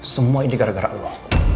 semua ini gara gara allah